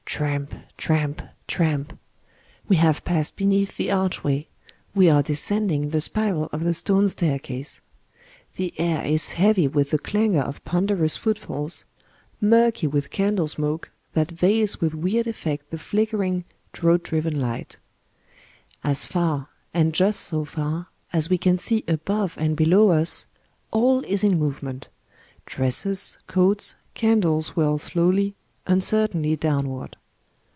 Tramp, tramp, trampŌĆö we have passed beneath the archway, we are descending the spiral of the stone staircase. The air is heavy with the clangour of ponderous footfalls ŌĆö murky with candle smoke that veils with weird eflTect the flickering, draught driven light. As far, and just so far, as we can see above and below us, all is in movement ; dresses, coats, candles whirl slowly, un certainly downward.